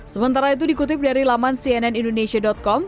sementara itu dikutip dari laman cnnindonesia com